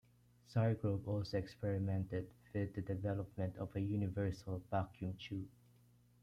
Sargrove also experimented with the development of a 'universal' vacuum tube.